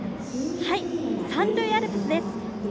三塁アルプスです。